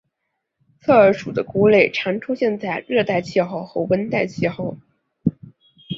侧耳属的菇类常出现在热带气候和温带气候。